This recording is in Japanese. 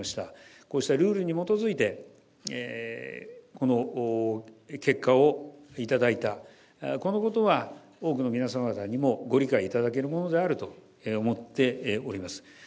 こうしたルールに基づいて、この結果を頂いた、このことは多くの皆様方にもご理解いただけるものであると思っております。